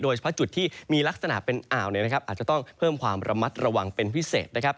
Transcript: เฉพาะจุดที่มีลักษณะเป็นอ่าวอาจจะต้องเพิ่มความระมัดระวังเป็นพิเศษนะครับ